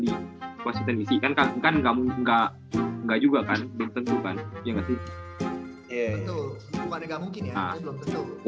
di posisi kan kan nggak mau nggak nggak juga kan belum tentu kan ya nggak sih ya bukan nggak mungkin